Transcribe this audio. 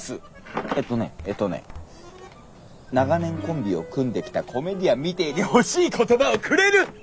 えっとねえとね長年コンビを組んできたコメディアンみてーに欲しい言葉をくれるッ！